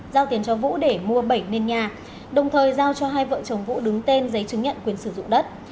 giao tiền cho vũ để mua bảnh lên nhà đồng thời giao cho hai vợ chồng vũ đứng tên giấy chứng nhận quyền sử dụng đất